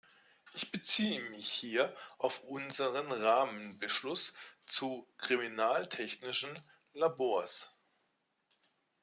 Ich beziehe mich hier auf unseren Rahmenbeschluss zu kriminaltechnischen Labors.